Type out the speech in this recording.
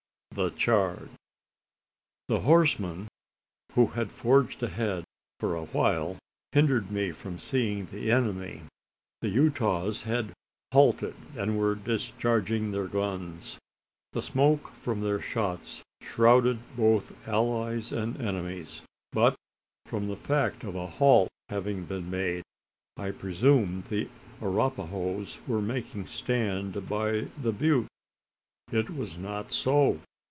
THE CHARGE. The horsemen who had forged ahead, for a while, hindered me from seeing the enemy. The Utahs had halted, and were discharging their guns. The smoke from their shots shrouded both allies and enemies; but, from the fact of a halt having been made, I presumed the Arapahoes were making stand by the butte. It was not so.